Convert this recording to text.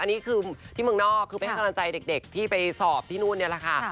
อันนี้คือที่เมืองนอกคือไปให้กำลังใจเด็กที่ไปสอบที่นู่นนี่แหละค่ะ